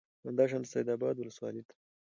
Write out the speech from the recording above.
همدا شان د سید آباد ولسوالۍ ته